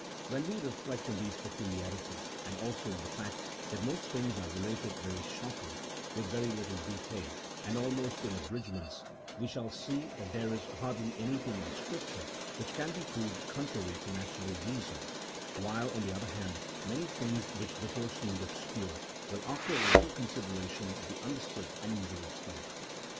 "When we reflect on these peculiarities, and also on the fact that most things are related very shortly, with very little detail, and almost in abridgments, we shall see that there is hardly anything in Scripture which can be proved contrary to natural reason, while, on the other hand, many things which before seemed obscure, will after a little consideration be understood and easily explained.